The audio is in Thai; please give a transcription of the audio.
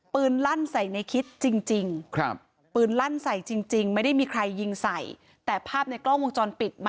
ปืนลั่นใส่ตัวเองค่ะ